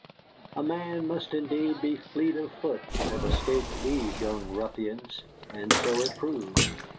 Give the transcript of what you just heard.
A man must indeed be fleet of foot to have escaped these young ruffians, and so it proved.